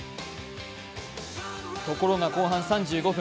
ところが後半３５分。